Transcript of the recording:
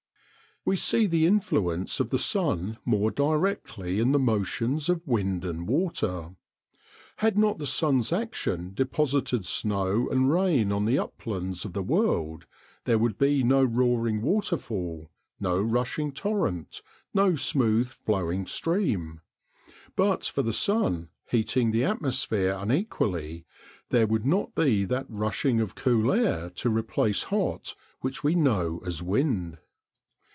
We see the influence of the sun more directly in the motions of wind and water. Had not the sun's action deposited snow and rain on the uplands of the world, there would be no roaring waterfall, no rushing torrent, no smooth flowing stream. But for the sun heating the atmosphere unequally, there would not be that rushing of cool air to replace hot which we know as wind.